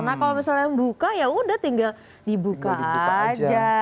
nah kalau misalnya buka yaudah tinggal dibuka aja